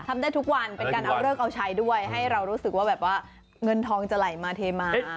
ทำได้ทุกวันเป็นการเอาเลิกเอาใช้ด้วยให้เรารู้สึกว่าแบบว่าเงินทองจะไหลมาเทมา